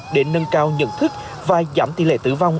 để nâng cao nhận thức và giảm tỷ lệ tử vong